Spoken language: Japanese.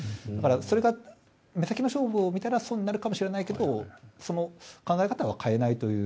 それが目先の勝負を見たらそうなるかもしれないけど考え方は変えないという。